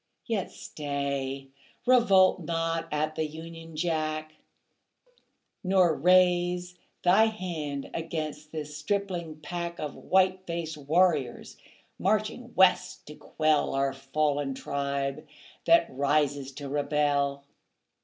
Yet stay. Revolt not at the Union Jack, Nor raise Thy hand against this stripling pack Of white faced warriors, marching West to quell Our fallen tribe that rises to rebel.